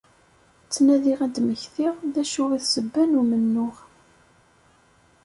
Ttnadiɣ ad d-mmektiɣ d acu i d ssebba n umennuɣ.